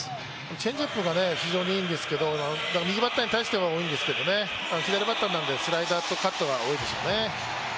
チェンジアップがすごい、いいんですけど右バッターに対しては多いんですけど、左バッターなんでスライダーとカットが多いでしょうね。